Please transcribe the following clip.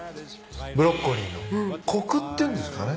ブロッコリーのコクっていうんですかね。